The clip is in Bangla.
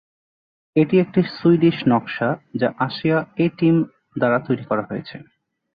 এটি একটি সুইডিশ নকশা, যা আসিয়া-এটিম দ্বারা তৈরি করা হয়েছে।